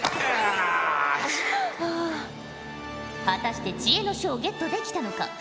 果たして知恵の書をゲットできたのか。